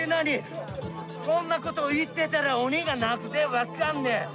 そんなこと言ってたら鬼が泣くぜ分っかんねえ。